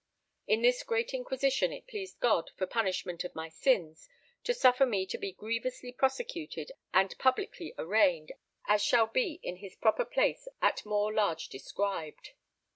In this great inquisition it pleased God, for punishment of my sins, to suffer me to be grievously persecuted and publicly arraigned, as shall be in his proper place at more large described.